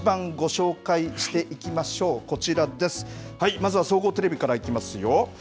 まずは総合テレビからいきますよ。